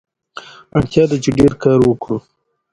ازادي راډیو د ټرافیکي ستونزې د تحول لړۍ تعقیب کړې.